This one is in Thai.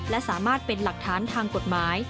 และสามารถเป็นหลักฐานทางกฎหมาย